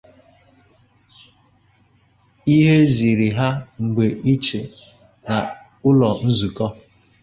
Hé zìrì há mgbe ichie na ụ́lọ̀ nkuzi.